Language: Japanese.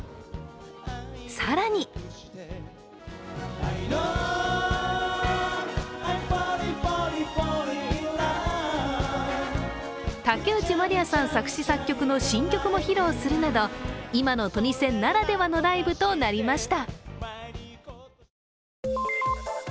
更に竹内まりやさん作詞・作曲の新曲も披露するなど今のトニセンならではのライブとなりました。